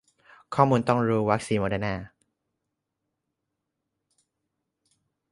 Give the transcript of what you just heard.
ข้อมูลต้องรู้ วัคซีนโมเดอร์นา